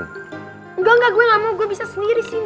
enggak enggak gue gak mau gue bisa sendiri sih